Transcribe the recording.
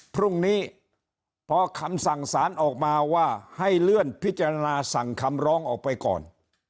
พรุ่งนี้พอคำสั่งสารออกมาว่าให้เลื่อนพิจารณาสั่งคำร้องออกไปก่อน